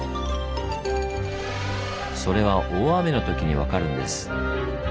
それは大雨のときに分かるんです。